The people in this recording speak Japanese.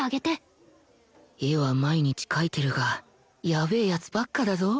絵は毎日描いてるがやべえやつばっかだぞ